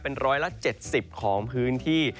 เป็นร้อยละ๗๐ของพื้นที่